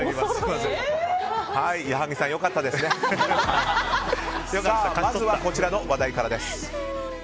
まずは、こちらの話題からです。